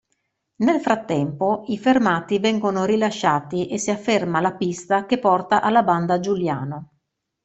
Nel frattempo, i fermati vengono rilasciati e si afferma la pista che porta alla banda Giuliano.